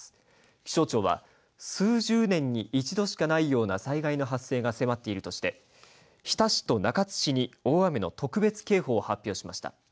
気象庁は数十年に一度しかないような災害の発生が迫っているとして日田市と中津市に大雨の特別警報を発表しました。